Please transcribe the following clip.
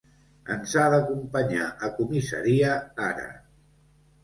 Ens ha d'acompanyar a comissaria ara.